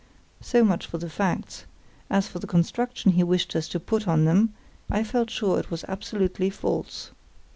So much for the facts; as for the construction he wished us to put on them, I felt sure it was absolutely false.